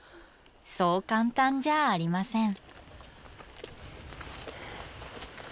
そう簡単じゃあありません。